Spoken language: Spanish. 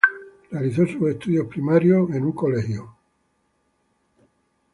Realizó sus estudios primarios en el colegio de los jesuitas de Riobamba.